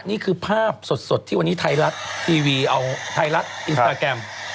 นี่คือภาพสดที่วันนี้ไทยรัฐทีวีเอาไทยรัฐอินสตาแกรม